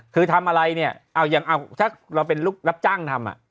คือทำอะไรเนี่ยเอาอย่างถ้าเราเป็นลูกรับจ้างทำ